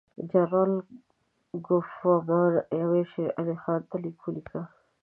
جنرال کوفمان امیر شېر علي خان ته لیک ولیکه.